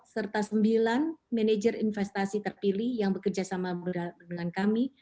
serta sembilan manajer investasi terpilih yang bekerja sama dengan kami